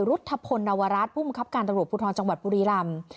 รุธพลนวรัฐผู้บังคับการตำรวจภูทรจังหวัดบุรีรำ